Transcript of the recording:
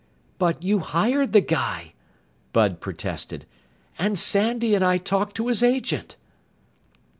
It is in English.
"But you hired the guy!" Bud protested. "And Sandy and I talked to his agent!"